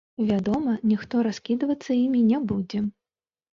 Вядома, ніхто раскідвацца імі не будзе.